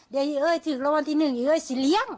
เดี๋ยวอีเอ้ยถือกรวมกันที่หนึ่งอีเอ้ยสิเลี้ยง